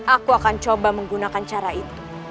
aku akan coba menggunakan cara itu